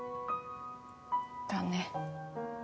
だね。